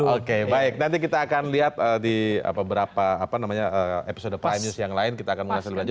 oke baik nanti kita akan lihat di berapa apa namanya episode prime news yang lain kita akan mulai selanjutnya